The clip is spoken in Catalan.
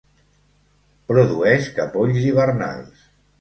Produeix capolls hivernals.